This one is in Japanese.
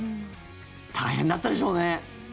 大変だったでしょうね。